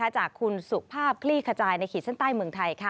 จากคุณสุภาพคลี่ขจายในขีดเส้นใต้เมืองไทย